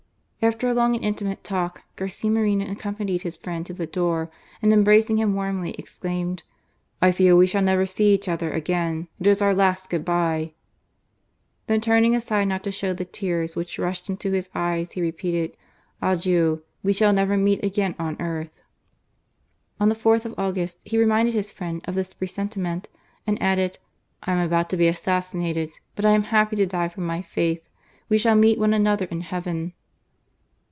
After a long and intimate talk, Garcia Moreno accompanied his friend to the door, and embracing him warmly, exclaimed :I feel we shall never see each other again ; it is our last good bye !" Then, turning aside not to show the tears which rushed into his eyes, he repeated :" Adieu ! we shall never meet again on earth." On the 4th of August he reminded his friend of this presentiment, and added :" I am about to be assassinated, but I am happy to die for my faith. We shall meet one another in Heaven."